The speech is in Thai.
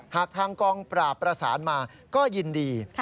หากทางกองปราบประสานมาก็ยินดี